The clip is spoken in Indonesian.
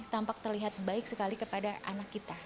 tampak terlihat baik sekali kepada anak kita